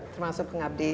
termasuk pengabdi setan